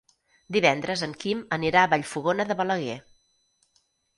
Divendres en Quim anirà a Vallfogona de Balaguer.